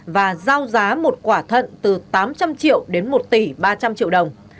và giao giá một quả thận từ tám trăm linh triệu đến một tỷ ba trăm linh triệu đồng